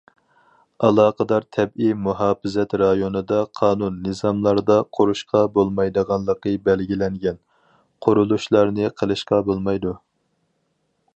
ئالاقىدار تەبىئىي مۇھاپىزەت رايونىدا قانۇن- نىزاملاردا قۇرۇشقا بولمايدىغانلىقى بەلگىلەنگەن قۇرۇلۇشلارنى قىلىشقا بولمايدۇ.